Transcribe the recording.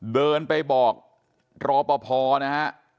เดินไปบอกรอปภนะฮะ